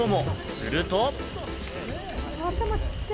すると。